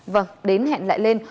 vâng đến hẹn lại lên